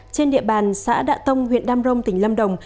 trên địa bàn xã đạ tông huyện đam rông tỉnh lâm đồng